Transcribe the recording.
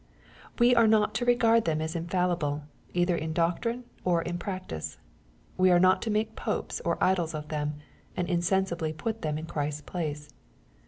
We are not to regard them as infallible, either in doctrine or in practice. We are not to make popes or idols of them, and insensibly put them in Christ's place.